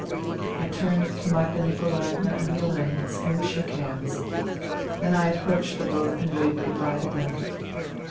I turned to Magda Nikolaevna and the Olenins, and we shook hands ; then I approached the boat and waved good bye to them.